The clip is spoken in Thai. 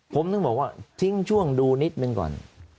ผมถึงบอกว่าทิ้งช่วงดูนิดหนึ่งก่อน